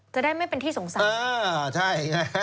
จะได้ไม่เป็นที่สงสาร